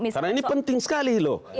karena ini penting sekali loh